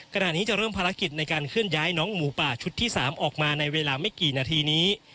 ขณะนี้จะเริ่มภารกิจในการเคลื่อนย้ายน้องหมูป่าชุดที่๓ออกมาในเวลาไม่กี่นาทีนี้